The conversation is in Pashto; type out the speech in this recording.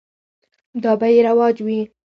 دا به یې رواج وي.